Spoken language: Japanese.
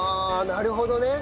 なるほどね。